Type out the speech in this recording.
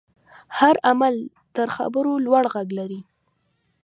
هر عمل تر خبرو لوړ غږ لري.